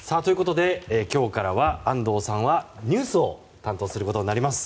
今日からは安藤さんはニュースを担当することになります。